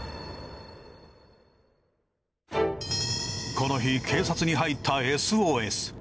この日警察に入ったＳＯＳ。